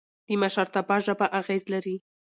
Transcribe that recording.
د مشرتابه ژبه اغېز لري